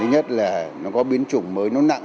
nhất là nó có biến chủng mới nó nặng